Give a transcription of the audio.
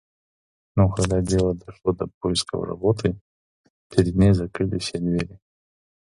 Но когда дело дошло до поисков работы, перед ней закрыли все двери.